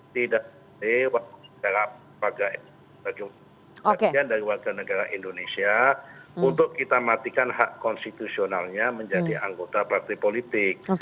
tidak ada warga negara indonesia untuk kita matikan hak konstitusionalnya menjadi anggota partai politik